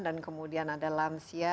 dan kemudian ada lansia